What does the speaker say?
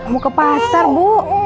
mau ke pasar bu